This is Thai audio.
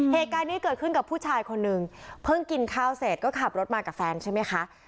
เหตุการณ์นี้เกิดขึ้นกับผู้ชายคนนึงเพิ่งกินข้าวเสร็จก็ขับรถมากับแฟนใช่ไหมคะ